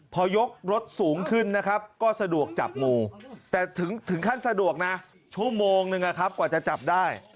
พอยกรถสูงขึ้นนะครับก็สะดวกจับงูแต่ถึงขั้นสะดวกนะชั่วโมงนึงกว่าจะจับได้